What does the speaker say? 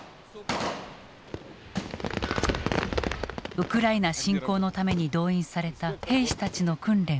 ウクライナ侵攻のために動員された兵士たちの訓練を視察した。